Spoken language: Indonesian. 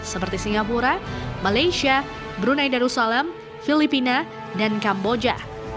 seperti singapura malaysia brunei darussalam filipina dan kamboja